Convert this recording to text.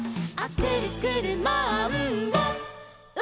「くるくるマンボウ！」